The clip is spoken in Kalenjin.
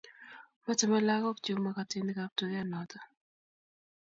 machamei lagookchu makatinikab tuketnoto